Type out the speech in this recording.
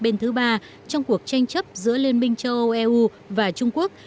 bên thứ ba trong cuộc tranh chấp giữa liên minh châu âu eu và trung quốc